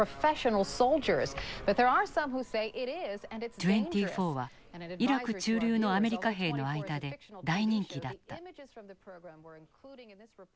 「２４」はイラク駐留のアメリカ兵の間で大人気だった。